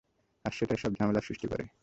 আর সেটাই সব ঝামেলার সৃষ্টি করে।